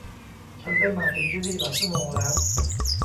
ฉันได้มาถึงที่นี่หลายชั่วโมงแล้ว